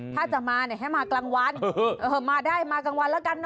ถ้าจะมาเนี่ยให้มากลางวันมาได้มากลางวันแล้วกันเน